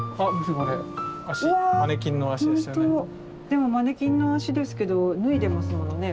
でもマネキンの足ですけど脱いでますものね